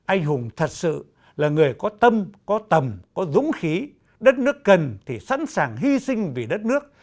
anh hùng thật sự là người có tâm có tầm có dũng khí đất nước cần thì sẵn sàng hy sinh vì đất nước